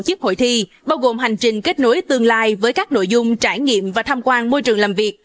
tổ chức hội thi bao gồm hành trình kết nối tương lai với các nội dung trải nghiệm và tham quan môi trường làm việc